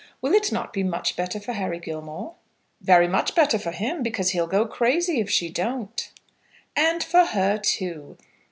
Will it not be much better for Harry Gilmore?" "Very much better for him, because he'll go crazy if she don't." "And for her too.